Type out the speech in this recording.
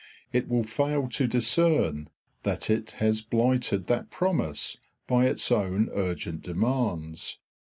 It will fail to discern that it has blighted that promise by its own urgent demands.